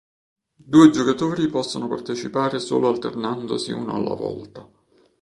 Due giocatori possono partecipare solo alternandosi uno alla volta.